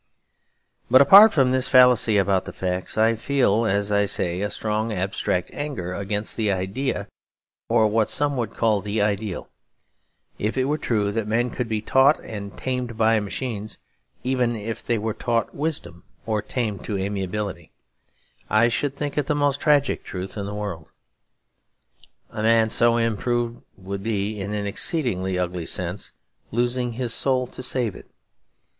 But apart from this fallacy about the facts, I feel, as I say, a strong abstract anger against the idea, or what some would call the ideal. If it were true that men could be taught and tamed by machines, even if they were taught wisdom or tamed to amiability, I should think it the most tragic truth in the world. A man so improved would be, in an exceedingly ugly sense, losing his soul to save it.